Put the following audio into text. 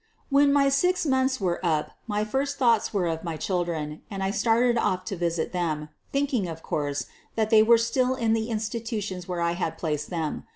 "When my six months were up my first thoughts were of my children, and I started off to visit them, thinking, of course, that they were still in the insti tutions where I had placed them.